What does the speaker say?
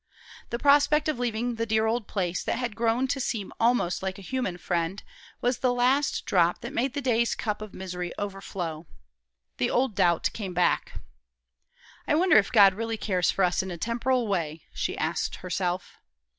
The prospect of leaving the dear old place, that had grown to seem almost like a human friend, was the last drop that made the day's cup of misery overflow. The old doubt came back. "I wonder if God really cares for us in a temporal way?" she asked herself.